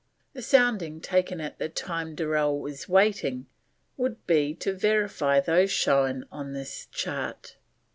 The soundings taken at the time Durell was waiting would be to verify those shown on this chart.